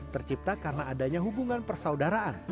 tercipta karena adanya hubungan persaudaraan